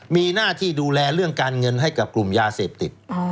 มีหน้าที่ดูแลเรื่องการเงินให้กับกลุ่มยาเสพติด